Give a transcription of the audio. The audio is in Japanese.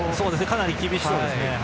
かなり厳しそうですね。